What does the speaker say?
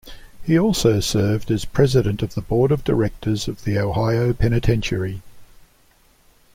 He also served as president of the board of directors of the Ohio Penitentiary.